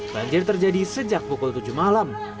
banjir terjadi sejak pukul tujuh malam